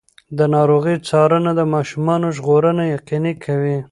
د ناروغۍ څارنه د ماشومانو ژغورنه یقیني کوي.